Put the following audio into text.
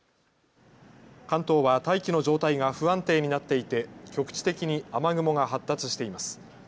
関東は大気の状態が不安定になっていて局地的に雨雲が発達しています。